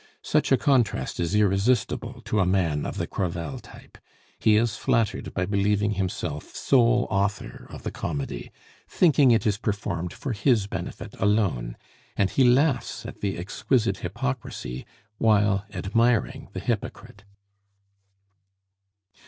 Such a contrast is irresistible to a man of the Crevel type; he is flattered by believing himself sole author of the comedy, thinking it is performed for his benefit alone, and he laughs at the exquisite hypocrisy while admiring the hypocrite.